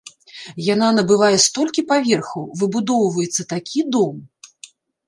Яна набывае столькі паверхаў, выбудоўваецца такі дом!